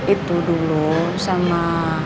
itu dulu sama